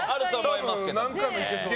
何回もいけそう。